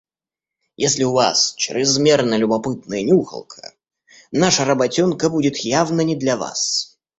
Если у вас чрезмерно любопытная нюхалка, наша работёнка будет явно не для вас.